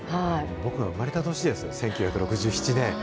僕が生まれた年です、１９６７年。